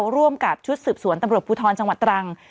ร่วมกับชุดสืบสวนตำรวจภูทรจังหวัดตรัง